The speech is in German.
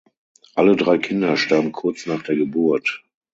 Alle drei Kinder starben kurz nach der Geburt.